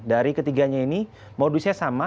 dari ketiganya ini modusnya sama